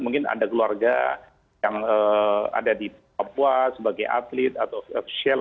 mungkin ada keluarga yang ada di papua sebagai atlet atau off shell